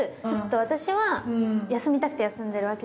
私は休みたくて休んでるわけじゃないし。